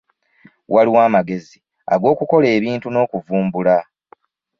Waliwo amagezi ag'okukola ebintu n'okuvumbula.